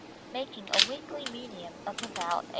making a weekly medium of about 8s.